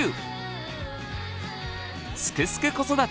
「すくすく子育て」